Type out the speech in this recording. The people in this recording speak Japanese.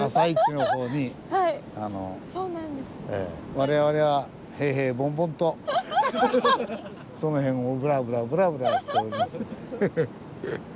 我々は平々凡々とその辺をブラブラブラブラしておりますので。